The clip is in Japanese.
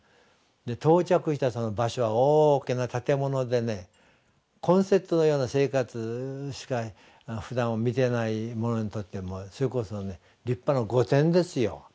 で到着したその場所は大きな建物でねコンセットのような生活しかふだんは見てない者にとってはそれこそ立派な御殿ですよ